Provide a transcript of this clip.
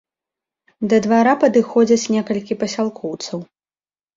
Да двара падыходзяць некалькі пасялкоўцаў.